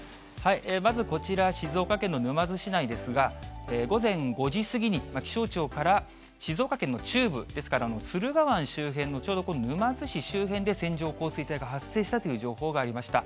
まずこちら、静岡県の沼津市内ですが、午前５時過ぎに、気象庁から静岡県の中部、ですから駿河湾周辺の、ちょうどこの沼津市周辺で、線状降水帯が発生したという情報がありました。